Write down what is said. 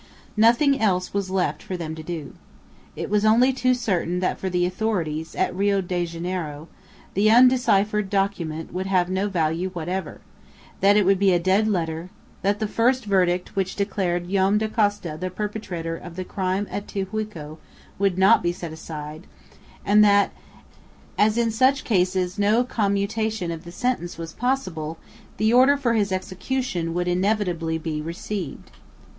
Nothing else was left for them to do. It was only too certain that for the authorities at Rio Janeiro the undeciphered document would have no value whatever, that it would be a dead letter, that the first verdict which declared Joam Dacosta the perpetrator of the crime at Tijuco would not be set aside, and that, as in such cases no commutation of the sentence was possible, the order for his execution would inevitably be received.